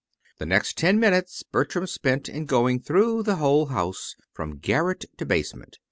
The next ten minutes Bertram spent in going through the whole house, from garret to basement.